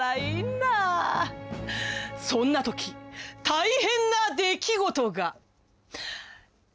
そんなとき大変な出来事が。